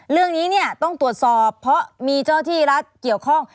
เรื่องนี้เนี่ยต้องตรวจสอบเพราะมีเจ้าที่รัฐเกี่ยวข้อง